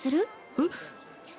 えっ。